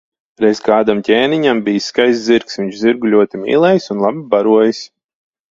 Reiz kādam ķēniņam bijis skaists zirgs, viņš zirgu ļoti mīlējis un labi barojis.